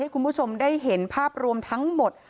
คุณผู้ชมได้เห็นภาพรวมทั้งหมด